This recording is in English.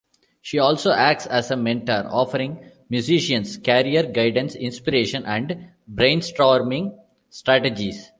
She also acts as a mentor, offering musicians career guidance, inspiration and brainstorming strategies.